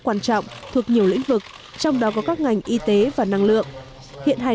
quan trọng thuộc nhiều lĩnh vực trong đó có các ngành y tế và năng lượng hiện hành